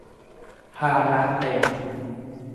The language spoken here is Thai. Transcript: ภาระเต็ม